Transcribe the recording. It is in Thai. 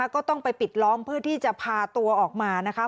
ก็ต้องไปปิดล้อมเพื่อที่จะพาตัวออกมานะคะ